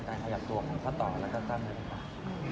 การขยับตัวของพ่อต่อและการตั้งกลางกลาง